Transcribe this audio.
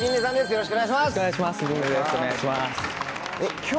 よろしくお願いします